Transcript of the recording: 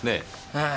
ああ。